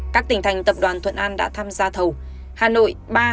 các tỉnh thành tập đoàn thuận an đã tham gia thầu hà nội